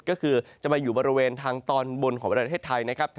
ก็คือจะมาอยู่บริเวณทางตอนบนของประเทศไทยนะครับ